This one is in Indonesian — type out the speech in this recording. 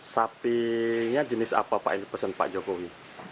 sapinya jenis apa pak yang dipesan pak jokowi